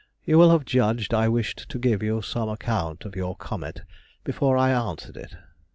You will have judged I wished to give you some account of your comet before I answered it.